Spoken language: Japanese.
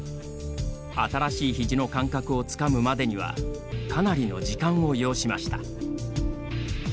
新しいひじの感覚をつかむまでにはかなりの時間を要しました。